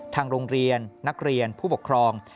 ทางโรงเรียนนักเรียนผู้ปกครอง